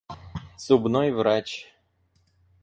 Зубной врач.